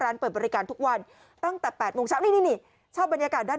นี่นี่นี่นี่นี่นี่นี่นี่นี่นี่น